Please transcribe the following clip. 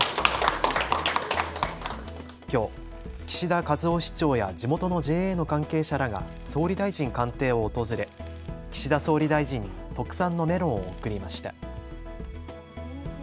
きょう岸田一夫市長や地元のＪＡの関係者らが総理大臣官邸を訪れ岸田総理大臣に特産のメロンを贈りました。